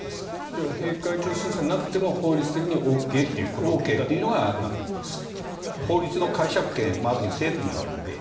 じゃあ閉会中審査なくても法律的にＯＫと。ＯＫというのが法律の解釈権が政府にあるので。